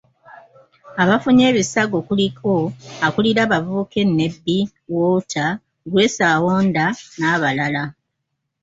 Abafunye ebisago kuliko; akulira abavubuka e Nebbi; Walter, Grace Owonda n'abalala.